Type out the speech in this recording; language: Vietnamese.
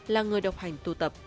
là người độc hành tu tập